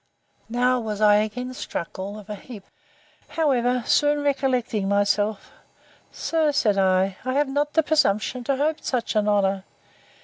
Now was I again struck all of a heap. However, soon recollecting myself, Sir, said I, I have not the presumption to hope such an honour.